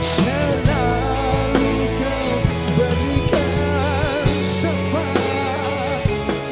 selalu kau berikan sempat